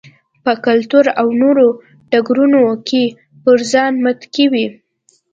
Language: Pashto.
په کلتوري او نورو ډګرونو کې پر ځان متکي وي.